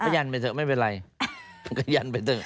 ยันไปเถอะไม่เป็นไร